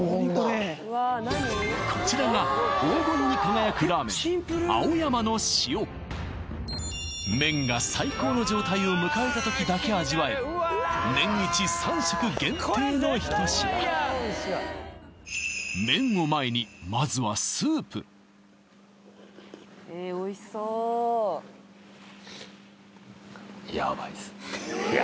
こちらが黄金に輝くラーメン麺が最高の状態を迎えた時だけ味わえる年イチ３食限定のひと品麺を前にヤバイ？